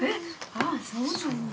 あっそうなんや。